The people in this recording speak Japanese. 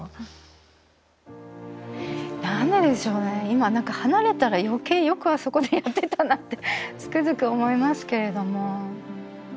今何か離れたら余計よくあそこでやってたなってつくづく思いますけれども。